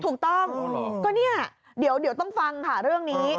ถูกต้องก็เนี่ยเดี๋ยวต้องฟังค่ะเรื่องนี้